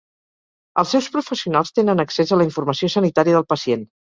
Els seus professionals tenen accés a la informació sanitària del pacient.